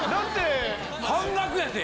半額やって。